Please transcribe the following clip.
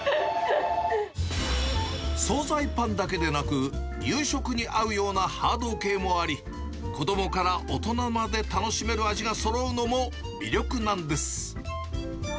総菜パンだけでなく、夕食に合うようなハード系もあり、子どもから大人まで楽しめる味がそろうのも魅力なんです。